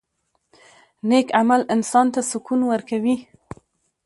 • نیک عمل انسان ته سکون ورکوي.